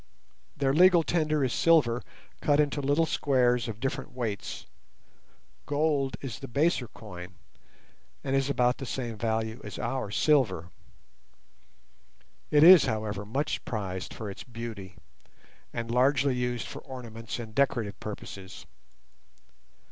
Their legal tender is silver, cut into little squares of different weights; gold is the baser coin, and is about of the same value as our silver. It is, however, much prized for its beauty, and largely used for ornaments and decorative purposes.